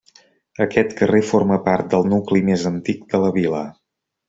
Aquest carrer forma part del nucli més antic de la vila.